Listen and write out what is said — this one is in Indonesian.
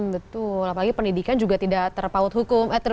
betul apalagi pendidikan juga tidak terpaut hukum